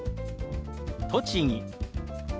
「栃木」。